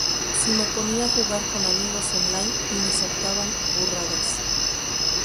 si me ponía a jugar con amigos online y me soltaban burradas